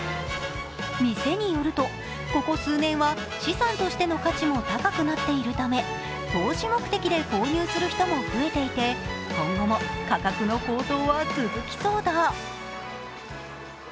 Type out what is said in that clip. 店によると、ここ数年は資産としての価値も高くなっているため投資目的で購入する人も増えていて、今後も価格の高騰は続きそうだ。